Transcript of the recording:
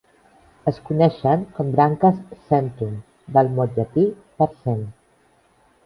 Es coneixen com branques "centum", del mot llatí per "cent".